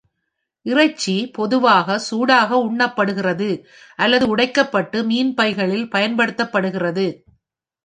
இறைச்சி பொதுவாக சூடாக உண்ணப்படுகிறது, அல்லது உடைக்கப்பட்டு மீன் பைகளில் பயன்படுத்தப்படுகிறது.